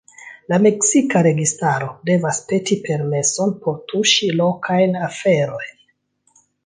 La meksika registaro devas peti permeson por tuŝi lokajn aferojn.